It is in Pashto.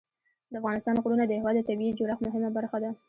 د افغانستان غرونه د هېواد د طبیعي جوړښت مهمه برخه ده.